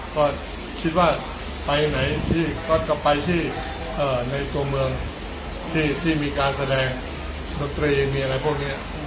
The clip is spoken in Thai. ก็คิดว่าไปไหนที่ก็จะไปที่ในตัวเมืองที่มีการแสดงดนตรีมีอะไรพวกนี้